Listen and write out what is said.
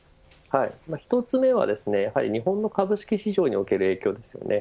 １つ目は、日本の株式市場における影響です。